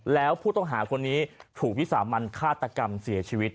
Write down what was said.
แล้วผู้ต้องหาคนนี้ถูกวิสามันฆาตกรรมเสียชีวิต